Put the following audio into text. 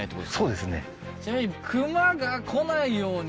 そうですね